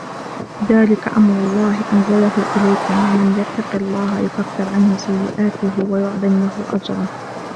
ذَلِكَ أَمْرُ اللَّهِ أَنْزَلَهُ إِلَيْكُمْ وَمَنْ يَتَّقِ اللَّهَ يُكَفِّرْ عَنْهُ سَيِّئَاتِهِ وَيُعْظِمْ لَهُ أَجْرًا